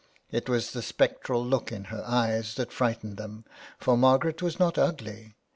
It was the spectral look in her eyes that frightened them, for Margaret was not ugly.